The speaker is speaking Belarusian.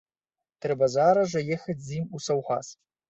Трэба зараз жа ехаць з ім у саўгас.